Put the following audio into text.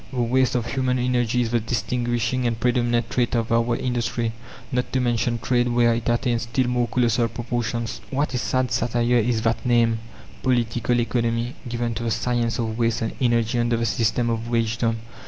The waste of human energy is the distinguishing and predominant trait of our industry, not to mention trade where it attains still more colossal proportions. What a sad satire is that name, Political Economy, given to the science of waste and energy under the system of wagedom!